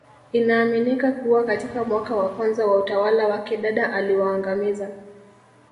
Inaaminika kuwa katika mwaka wa kwanza wa utawala wake Dada aliwaangamiza